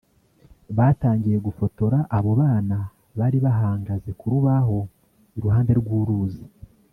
batangiye gufotora abo bana bari bahangaze ku rubaho iruhande rw’ uruzi